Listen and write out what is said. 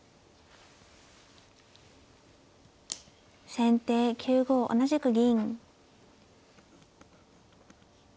先手９五同じく銀。